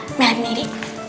tante melihat miri